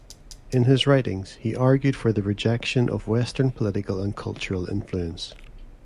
In his writings he argued for the rejection of Western political and cultural influence.